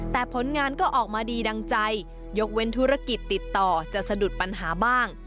แต่ผลงานก็ออกมาดีดังใจยกเว้นธุรกิจติดต่อจะสะดุดปัญหาบ้าง